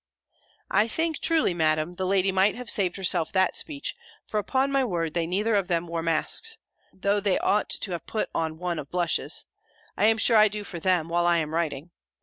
I think, truly, Madam, the lady might have saved herself that speech: for, upon my word, they neither of them wore masks Though they ought to have put on one of blushes I am sure I do for them, while I am writing.